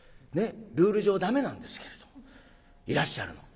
ルール上駄目なんですけれどもいらっしゃるの。